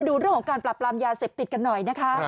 ดูเรื่องของการปรับปรามยาเสพติดกันหน่อยนะคะ